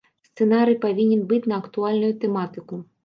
Сцэнарый павінен быць на актуальную тэматыку.